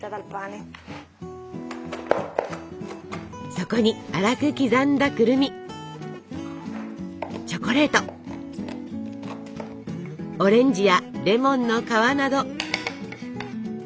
そこに粗く刻んだくるみチョコレートオレンジやレモンの皮など。